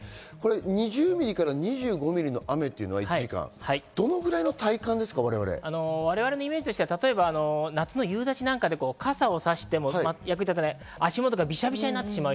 ２０ミリから２５ミリの雨っていうのは１時間どのくらいの体感で我々のイメージとしては夏の夕立なんかで傘をさしても役に立たない、足元がビシャビシャなってしまう。